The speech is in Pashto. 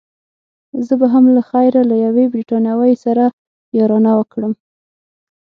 زه به هم له خیره له یوې بریتانوۍ سره یارانه وکړم.